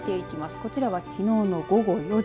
こちらはきのうの午後４時。